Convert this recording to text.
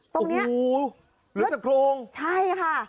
ตรงนี้โอ้โฮหรือจากโครงใช่ค่ะ